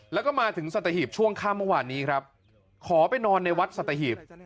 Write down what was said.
แล้วก็มาถึงสัตหีบช่วงข้ามเมื่อวานนี้ครับขอไปนอนในวัดสัตหีบ